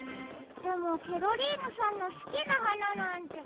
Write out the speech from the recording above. でもケロリーヌさんのすきなはななんて。